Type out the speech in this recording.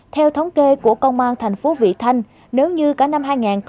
theo thống kê của công an tp vị thanh nếu như cả năm hai nghìn một mươi bốn